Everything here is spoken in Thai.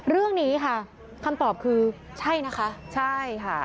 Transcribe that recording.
เรื่องนี้ค่ะคำตอบคือใช่นะคะใช่ค่ะ